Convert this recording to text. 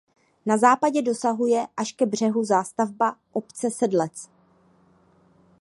Na západě dosahuje až ke břehu zástavba obce Sedlec.